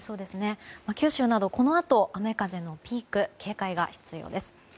九州など、このあと雨風のピーク警戒が必要です。